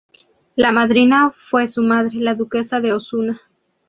La madrina fue su madre, la duquesa de Osuna.